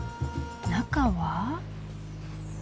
中は。